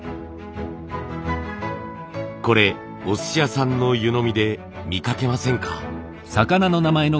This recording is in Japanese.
これおすし屋さんの湯飲みで見かけませんか？